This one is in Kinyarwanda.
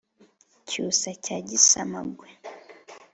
cyusa cya gisama-ngwe